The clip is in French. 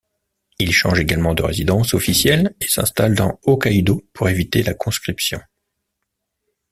Il change également de résidence officielle et s'installe dans Hokkaidō pour éviter la conscription.